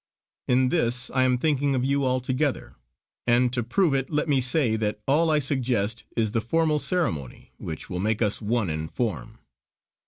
In this I am thinking of you altogether; and to prove it let me say that all I suggest is the formal ceremony which will make us one in form.